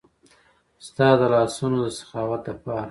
ستا د لاسونو د سخاوت د پاره